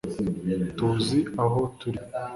tuzi aho turi